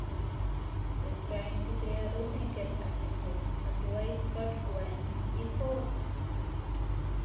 Bydd raid i fi yrru neges atyn nhw yn dweud fod Gwen i ffwrdd.